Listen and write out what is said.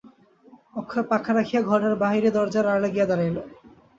অক্ষয় পাখা রাখিয়া ঘরের বাহিরে দরজার আড়ালে গিয়া দাঁড়াইল।